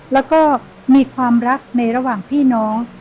แล้วก็มีความรักในระหว่างพี่น้อง